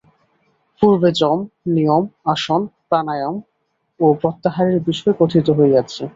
পূর্বে যম, নিয়ম, আসন, প্রাণায়াম ও প্রত্যাহারের বিষয় কথিত হইয়াছে।